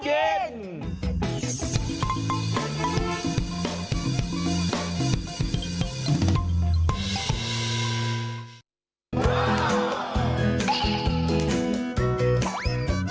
เพียรติวัฒนาการ